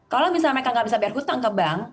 kalau misalnya mereka gak bisa biar hutang ke bank